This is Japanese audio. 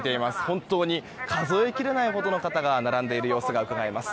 本当に数えきれないほどの方が並んでいる様子がうかがえます。